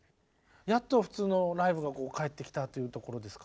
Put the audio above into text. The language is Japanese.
やっと普通のライブが帰ってきたっていうところですか？